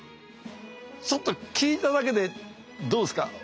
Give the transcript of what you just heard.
ちょっと聞いただけでどうですか？